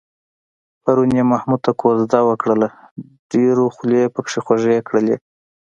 پرون یې محمود ته کوزده وکړله، ډېرو خولې پکې خوږې کړلې.